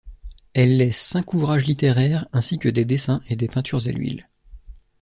Elle laisse cinq ouvrages littéraires, ainsi que des dessins et des peintures à l'huile.